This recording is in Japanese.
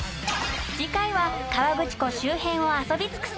次回は河口湖周辺を遊び尽くす！